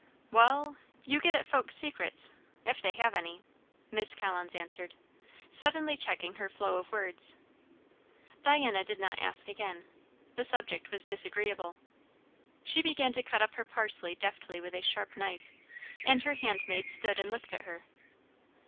"Wall you git at folks' secrets if they have any," Miss Collins answered, suddenly checking her flow of words. Diana did not ask again; the subject was disagreeable. She began to cut up her parsley deftly with a sharp knife; and her handmaid stood and looked at her.